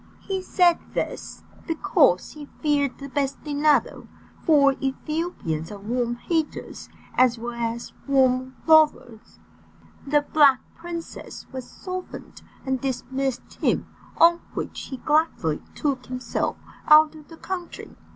He said this, because he feared the bastinado, for Ethiopians are warm haters as well as warm lovers. The Black Princess was softened, and dismissed him, on which he gladly took himself out of the country.